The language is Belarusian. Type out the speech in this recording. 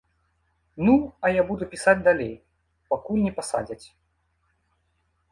Ну, а я буду пісаць далей, пакуль не пасадзяць.